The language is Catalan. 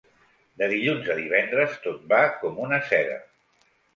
De dilluns a divendres tot va com una seda.